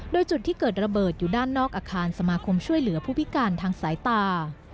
โดยจุดที่เกิดระเบิดอยู่ด้านนอกอาคารสมาคมช่วยเหลือผู้พิการทางสายตา